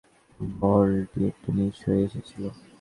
কুককে পুরোপুরি দোষ দেওয়া যাচ্ছে না, বলটি একটু নিচু হয়েই এসেছিল।